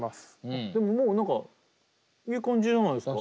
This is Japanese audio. でももう何かいい感じじゃないですか？